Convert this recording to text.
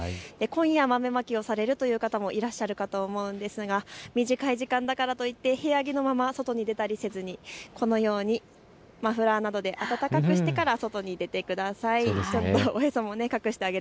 今夜、豆まきをされるという方もいらっしゃると思うんですが短い時間だからといって部屋着のまま外に出たりせずにこのようにマフラーなどで暖かくしてから外に出てください。